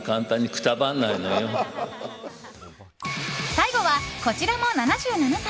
最後は、こちらも７７歳。